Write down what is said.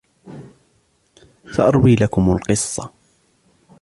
سأروي لكم القصة.